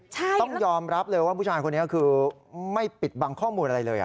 ต้องยอมรับเลยว่าผู้ชายคนนี้คือไม่ปิดบังข้อมูลอะไรเลย